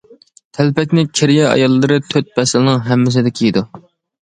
تەلپەكنى كېرىيە ئاياللىرى تۆت پەسىلنىڭ ھەممىسىدە كىيىدۇ.